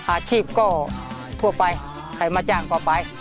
อาชีพก็ทั่วไปใครมาจ้างก็ไป